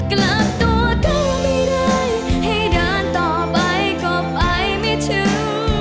กลับตัวทัวไม่ได้ให้เดินต่อไปก็ไปไม่ถึง